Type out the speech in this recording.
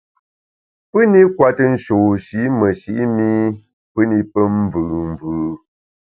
Pù-ni kwete nshôsh-i meshi’ mi pù ni pe mvùù mvù.